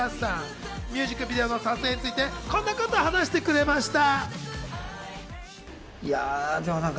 ミュージックビデオの撮影について、こんなことを話してくれました。